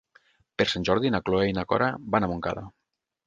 Per Sant Jordi na Cloè i na Cora van a Montcada.